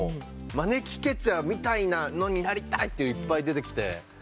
まねきケチャみたいなのになりたいっていっぱい出てきて。